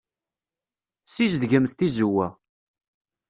Ssizedgemt tizewwa.